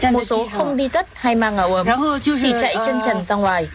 một số không đi tất hay mang ẩu ẩm chỉ chạy chân trần ra ngoài